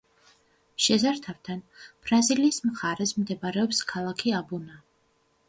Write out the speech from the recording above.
შესართავთან, ბრაზილიის მხარეს მდებარეობს ქალაქი აბუნა.